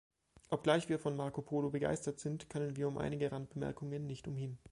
Obgleich wir von Marco Polo begeistert sind, können wir um einige Randbemerkungen nicht umhin.